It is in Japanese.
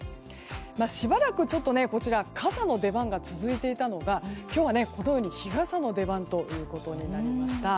しばらく、ちょっと傘の出番が続いていたのが今日はこのように日傘の出番となりました。